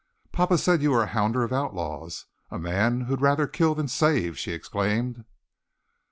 "Papa said you were a hounder of outlaws a man who'd rather kill than save!" she exclaimed.